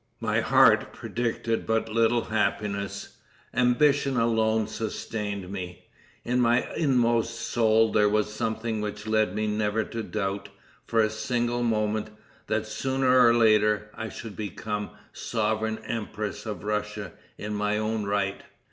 My heart predicted but little happiness; ambition alone sustained me. In my inmost soul there was something which led me never to doubt, for a single moment, that sooner or later I should become sovereign empress of Russia in my own right."